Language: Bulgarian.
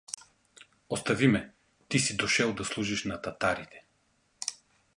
— Остави ме, ти си дошел да служиш на татарите?